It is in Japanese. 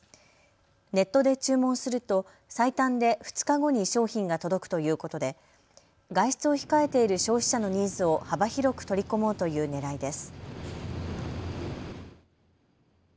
ネットで注文すると最短で２日後に商品が届くということで外出を控えている消費者のニーズを幅広く取り込もうというねらいです。